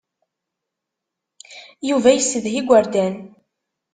Yuba yessedha igerdan.